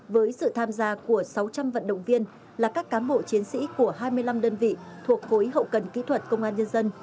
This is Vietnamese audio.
với sự tham gia của sáu trăm linh vận động viên là các cám bộ chiến sĩ của hai mươi năm đơn vị thuộc khối hậu cần kỹ thuật công an nhân dân